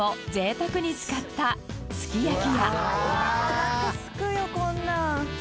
おなかすくよこんなん！」